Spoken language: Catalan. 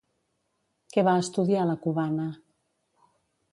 Què va estudiar la cubana?